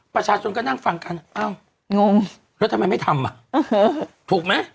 ประชาชนก็นั่งฟังกันอ้าวงงแล้วทำไมไม่ทำอ่ะถูกไหม